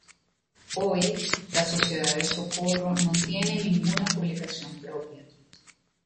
Hoy, la Sociedad de Socorro no tiene ninguna publicación propia.